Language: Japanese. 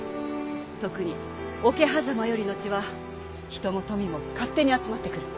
特に桶狭間より後は人も富も勝手に集まってくる。